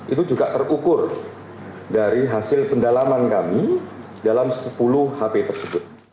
itu juga terukur dari hasil pendalaman kami dalam sepuluh hp tersebut